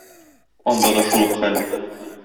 Анда да шул ук хәл.